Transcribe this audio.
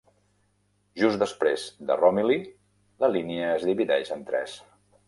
Just després de Romiley, la línia es divideix en tres.